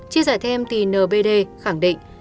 chia sẻ thêm thì nbd khẳng định